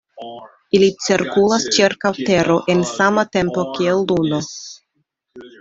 Ili cirkulas ĉirkaŭ Tero en sama tempo kiel Luno.